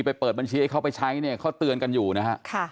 เปิดบัญชีให้เขาไปใช้เนี่ยเขาเตือนกันอยู่นะฮะ